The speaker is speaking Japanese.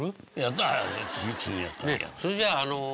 それじゃあのう。